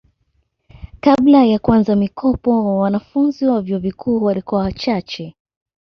kabla ya kuanza mikopo wananfunzi wa vyuo vikuu walikuwa wachache